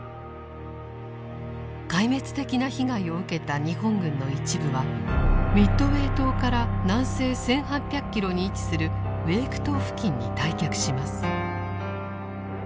壊滅的な被害を受けた日本軍の一部はミッドウェー島から南西１８００キロに位置するウェーク島付近に退却します。